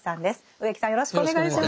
植木さんよろしくお願いします。